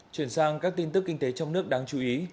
chuyển sang các tin tức kinh tế trong nước đáng chú ý